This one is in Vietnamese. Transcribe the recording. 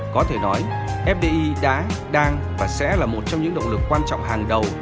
có thể nói fdi đã đang và sẽ là một trong những động lực quan trọng hàng đầu